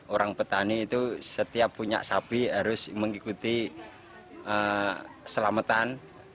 orang petani itu setiap punya sapi harus mengikuti selamatan